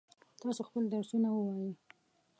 تاسو خپل درسونه ووایئ.